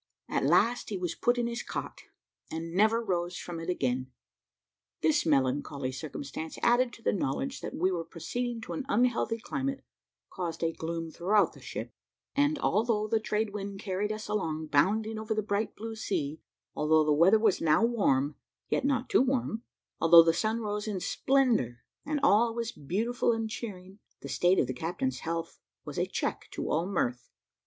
At last he was put in his cot, and never rose from it again. This melancholy circumstance, added to the knowledge that we were proceeding to an unhealthy climate, caused a gloom throughout the ship; and although the trade wind carried us along bounding over the bright blue sea although the weather was now warm, yet not too warm although the sun rose in splendour, and all was beautiful and cheering, the state of the captain's health was a check to all mirth.